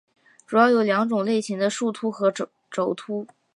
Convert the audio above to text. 主要有两种类型的树突和轴突。